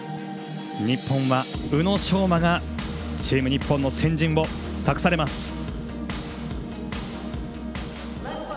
日本は宇野昌磨がチーム日本の先陣を託されます。